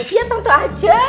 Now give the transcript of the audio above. biar tante aja